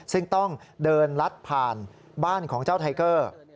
ซึ่งต้องเดินลัดผ่านบ้านของเจ้าไทเกอร์